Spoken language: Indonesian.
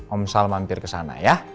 om sal mampir kesana ya